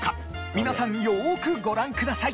皆さんよーくご覧ください。